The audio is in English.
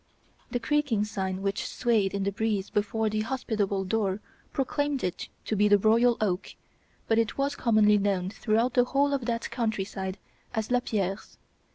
The creaking sign which swayed in the breeze before the hospitable door proclaimed it to be The Royal Oak, but it was commonly known throughout the whole of that country side as Lapierre's.